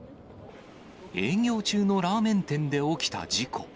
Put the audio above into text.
営業中のラーメン店で起きた事故。